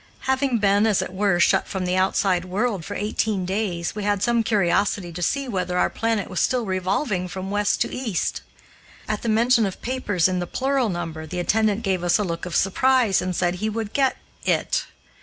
Having been, as it were, shut from the outside world for eighteen days, we had some curiosity to see whether our planet was still revolving from west to east. At the mention of papers in the plural number, the attendant gave us a look of surprise, and said he would get "it."